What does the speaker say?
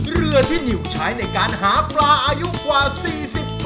เรือที่นิวใช้ในการหาปลาอายุกว่า๔๐ปี